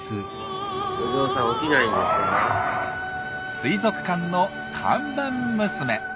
水族館の看板娘。